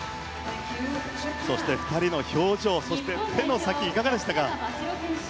そして２人の表情と手の先はいかがでしたか。